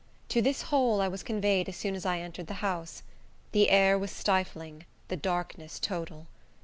To this hole I was conveyed as soon as I entered the house. The air was stifling; the darkness total.